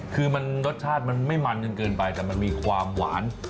คือมันรสชาติมันไม่มันจนเกินไปแต่มันมีความหวาน